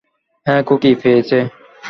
হ্যাঁ, খুকী, পেয়েছে।